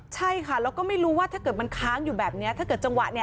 ใช่ค่ะแล้วก็ไม่รู้ว่าถ้าเกิดมันค้างอยู่แบบนี้ถ้าเกิดจังหวะเนี่ย